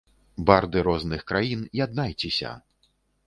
Барды розных краін, яднайцеся!